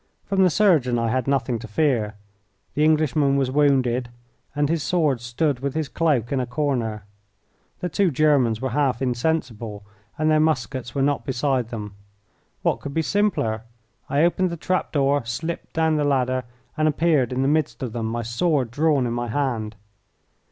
From the surgeon I had nothing to fear; the Englishman was wounded, and his sword stood with his cloak in a corner; the two Germans were half insensible, and their muskets were not beside them. What could be simpler? I opened the trap door, slipped down the ladder, and appeared in the midst of them, my sword drawn in my hand.